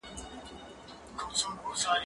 زه به سبا کالي وچوم وم